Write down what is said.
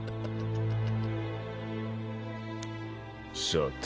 さて。